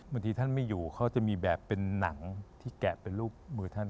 บางทีท่านไม่อยู่เขาจะมีแบบเป็นหนังที่แกะเป็นรูปมือท่าน